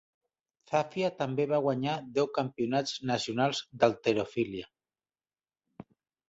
Zappia també va guanyar deu campionats nacionals d'halterofília.